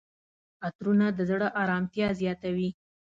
عطرونه د زړه آرامتیا زیاتوي.